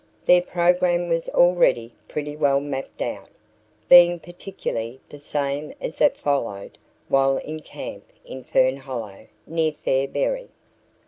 Their program was already pretty well mapped out, being practically the same as that followed while in camp in Fern Hollow near Fairberry.